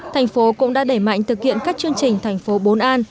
thành phố cũng đã đẩy mạnh thực hiện các chương trình thành phố bốn an